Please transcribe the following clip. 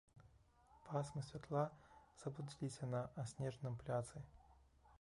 Пасмы святла заблудзіліся на аснежаным пляцы.